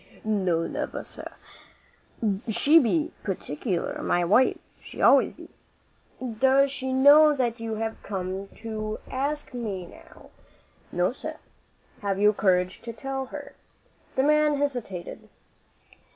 "No, never, sir. She be peculiar my wife; she always be." "Does she know that you have come to ask me now?" "No, sir." "Have you courage to tell her?" The man hesitated.